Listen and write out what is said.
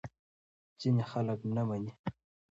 ځینې خلک نه مني.